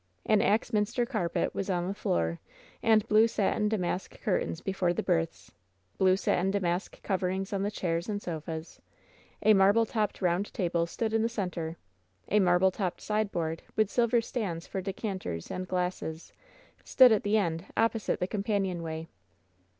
An Axminster carpet was on the floor, and blue satin damask curtains before the berths; blue satin damask coverings on the chairs and sofas. A marble topped round table stood in the center. A mar ble topped sideboard, with silver stands for decanters and glasses, stood at the end opposite the companion way.